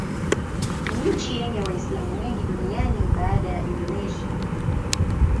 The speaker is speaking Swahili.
Ni nchi yenye Waislamu wengi duniani baada ya Indonesia.